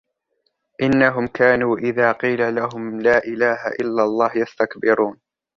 إنهم كانوا إذا قيل لهم لا إله إلا الله يستكبرون